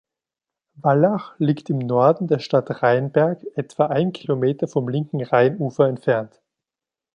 Wallach liegt im Norden der Stadt Rheinberg etwa einen Kilometer vom linken Rheinufer entfernt.